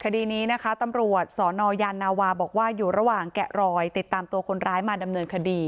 คดีนี้นะคะตำรวจสนยานาวาบอกว่าอยู่ระหว่างแกะรอยติดตามตัวคนร้ายมาดำเนินคดี